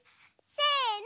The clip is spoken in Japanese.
せの。